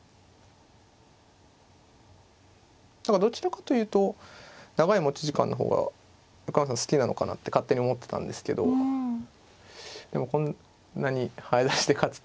どちらかというと長い持ち時間の方が横山さん好きなのかなって勝手に思ってたんですけどでもこんなに早指しで勝つと。